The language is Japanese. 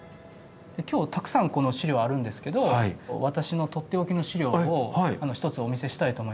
今日たくさんこの資料あるんですけど私のとっておきの資料を一つお見せしたいと思います。